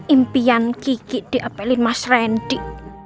impian kiki diapelin mas randy